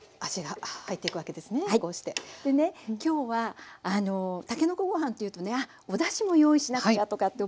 でね今日はたけのこご飯というとねあっおだしも用意しなくちゃとかって思うでしょ？